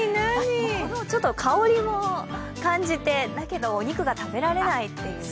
この香りも感じて、だけどお肉が食べられないという。